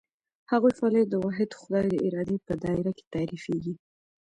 د هغوی فعالیت د واحد خدای د ارادې په دایره کې تعریفېږي.